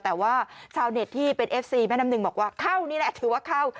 แต่ว่าชาวเน็ตที่เป็นเอฟซีแม่น้ำหนึ่งบอกว่าเข้านี่แหละถือว่าเข้า